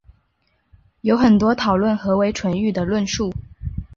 有很多讨论何为纯育的论述。